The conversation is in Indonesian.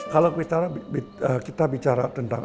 kalau kita bicara tentang